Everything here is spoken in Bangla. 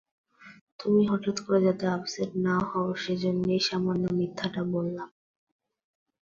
তুমি হঠাৎ করে যাতে আপসেট না-হও সে-জন্যেই সামান্য মিথ্যাটা বললাম।